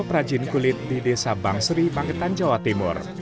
prajin kulit di desa bangsri bangketan jawa timur